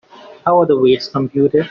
How are the weights computed?